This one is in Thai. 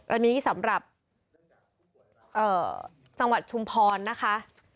อันนี้สำหรับจังหวัดชุมพรนะคะ